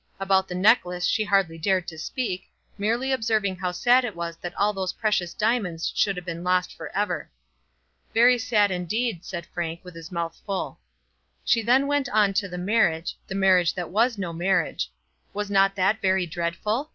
About the necklace she hardly dared to speak, merely observing how sad it was that all those precious diamonds should have been lost for ever. "Very sad indeed," said Frank with his mouth full. She then went on to the marriage, the marriage that was no marriage. Was not that very dreadful?